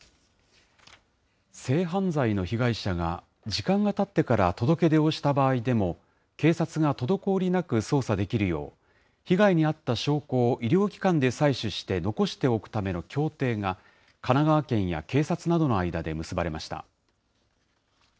性犯罪の被害者が、時間がたってから届け出をした場合でも、警察が滞りなく捜査できるよう、被害に遭った証拠を医療機関で採取して残しておくための協定が、神奈川県や警察などの間で結ばれました。